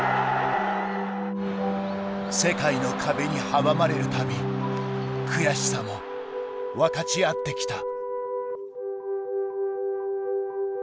世界の壁に阻まれる度悔しさも分かち合ってきた。